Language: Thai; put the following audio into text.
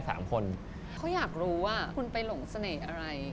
สามคนเขาอยากรู้ว่าคุณไปหลงเสน่ห์อะไร